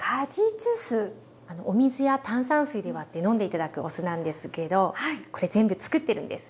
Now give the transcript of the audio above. お水や炭酸水で割って飲んで頂くお酢なんですけどこれ全部つくってるんです。